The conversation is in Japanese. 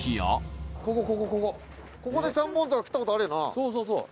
そうそうそう。